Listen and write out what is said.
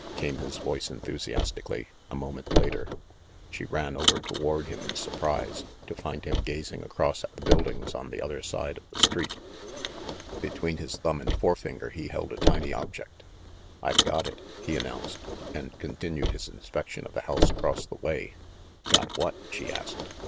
came his voice enthusiastically a mo ment later. She ran over toward him in surprise, to find him gazing across at the buildings on the other side of the street. Between his thumb and forefinger he held a tiny object. "I've got it!" he announced, and continued his in spection of the house across the way. "Got what?" she asked.